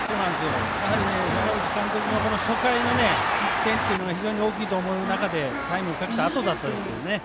やはり、阪口監督も初回の失点というのが非常に大きいという中でタイムをかけたあとでしたよね。